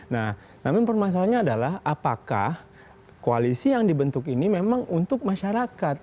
nah namun permasalahannya adalah apakah koalisi yang dibentuk ini memang untuk masyarakat